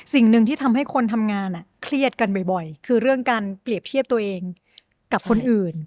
สิ่งหนึ่งที่ทำให้คนทำงานเครียดกันบ่อยคือเรื่องการเปรียบเทียบตัวเองกับคนอื่น